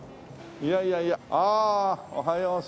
いやいやいやああおはようさん。